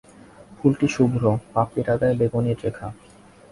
ফুলটি শুভ্র, পাপড়ির আগায় বেগনির রেখা।